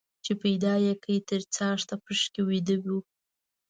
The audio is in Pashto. چې پيدا يې کى تر څاښته پکښي بيده وو.